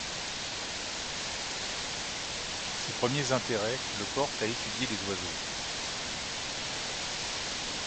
Ses premiers intérêts le portent à étudier les oiseaux.